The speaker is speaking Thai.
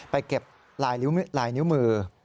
เก็บลายนิ้วมือ